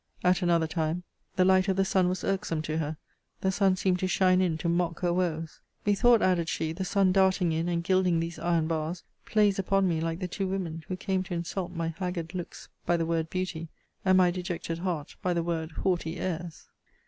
At another time, 'The light of the sun was irksome to her. The sun seemed to shine in to mock her woes.' 'Methought,' added she, 'the sun darting in, and gilding these iron bars, plays upon me like the two women, who came to insult my haggard looks, by the word beauty; and my dejected heart, by the word haughty airs!'